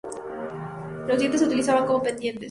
Los dientes se utilizaban como pendientes.